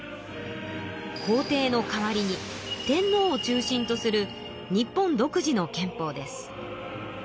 皇帝の代わりに天皇を中心とする日本独自の憲法です。